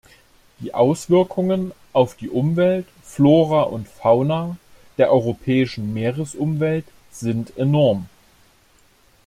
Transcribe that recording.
Die Auswirkungen auf die Umwelt, Flora und Fauna der europäischen Meeresumwelt sind enorm.